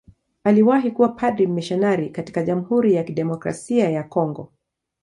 Aliwahi kuwa padri mmisionari katika Jamhuri ya Kidemokrasia ya Kongo.